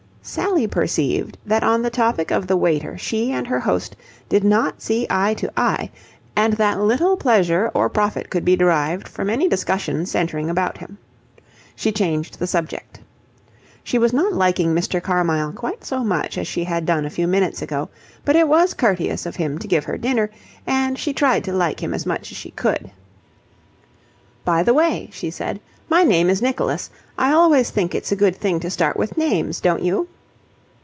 Sally perceived that on the topic of the waiter she and her host did not see eye to eye and that little pleasure or profit could be derived from any discussion centring about him. She changed the subject. She was not liking Mr. Carmyle quite so much as she had done a few minutes ago, but it was courteous of him to give her dinner, and she tried to like him as much as she could. "By the way," she said, "my name is Nicholas. I always think it's a good thing to start with names, don't you?"